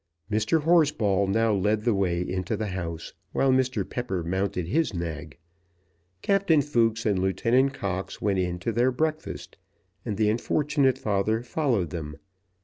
Mr. Horsball now led the way into the house, while Mr. Pepper mounted his nag. Captain Fooks and Lieutenant Cox went in to their breakfast, and the unfortunate father followed them.